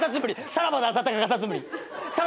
さらばだあたたかカタツムリ。